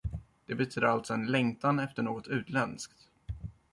Det betydde alltså en längtan efter något utländskt.